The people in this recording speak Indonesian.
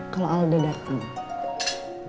kalo al udah dateng